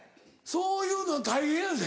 そういうのん大変やで。